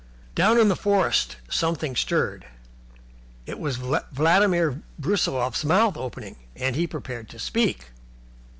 Down in the forest something stirred. It was Vladimir Brusiloff's mouth opening, as he prepared to speak.